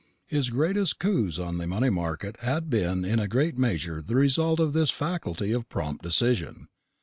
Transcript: His greatest coups on the money market had been in a great measure the result of this faculty of prompt decision.